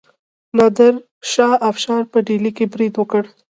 نادر شاه افشار په ډیلي برید وکړ.